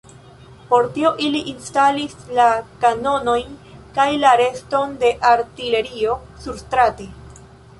Por tio ili instalis la kanonojn kaj la reston de artilerio surstrate.